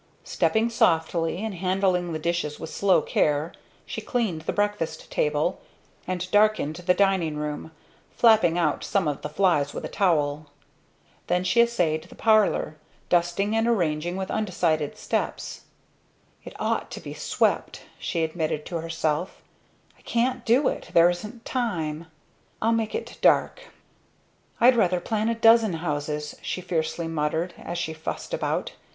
Stepping softly, and handling the dishes with slow care, she cleaned the breakfast table and darkened the dining room, flapping out some of the flies with a towel. Then she essayed the parlor, dusting and arranging with undecided steps. "It ought to be swept," she admitted to herself; "I can't do it there isn't time. I'll make it dark " "I'd rather plan a dozen houses!" she fiercely muttered, as she fussed about.